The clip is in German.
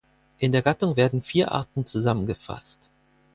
In der Gattung werden vier Arten zusammengefasst.